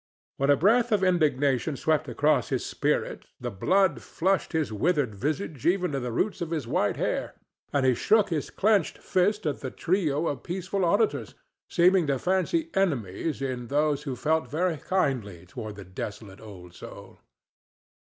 When a breath of indignation swept across his spirit, the blood flushed his withered visage even to the roots of his white hair, and he shook his clinched fist at the trio of peaceful auditors, seeming to fancy enemies in those who felt very kindly toward the desolate old soul.